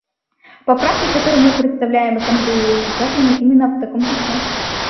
Поправки, которые мы представляем Ассамблее, составлены именно в таком ключе.